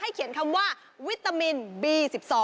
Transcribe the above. เขียนคำว่าวิตามินบี๑๒